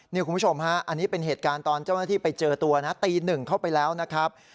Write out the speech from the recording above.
นี่คุณผู้ชมฮะอันนี้เป็นเหตุการณ์ตอนเจ้าหน้าที่ไปเจอตัวนะตีหนึ่งเข้าไปแล้วนะครับ